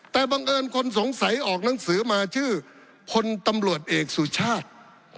แต่บังเอิญคนสงสัยออกหนังสือมาชื่อพลตำรวจเอกสุชาติ